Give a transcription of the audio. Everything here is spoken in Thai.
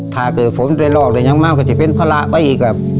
ถ้าเกิดผมในโลกเลยยังมากก็จะเป็นภาระไปอีก